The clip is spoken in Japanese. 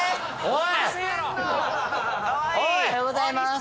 おはようございます